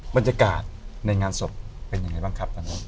บรรยากาศในงานศพเป็นยังไงบ้างครับตอนนั้น